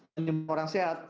menyembuhkan orang sehat